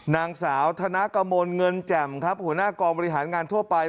นางสาวธนกมลเงินแจ่มครับหัวหน้ากองบริหารงานทั่วไป